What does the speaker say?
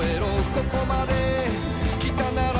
「ここまできたなら」